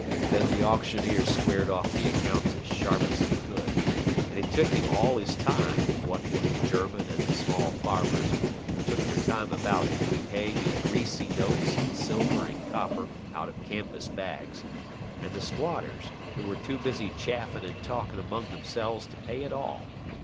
Then the auctioneer squared off the accounts as sharp as he could; an' it took him all his time, what with the German and the small farmers, who took their time about it, paying in greasy notes and silver and copper, out of canvas bags, and the squatters, who were too busy chaffing and talking among themselves to pay at all.